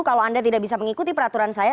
kalau anda tidak bisa mengikuti peraturan saya